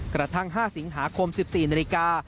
กระทั่ง๕สิงหาคม๑๔นาฬิกา